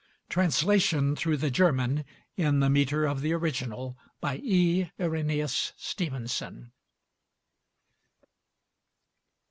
Translation through the German, in the metre of the original, by E. Irenæus Stevenson.